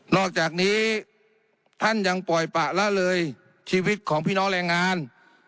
อกจากนี้ท่านยังปล่อยปะละเลยชีวิตของพี่น้องแรงงาน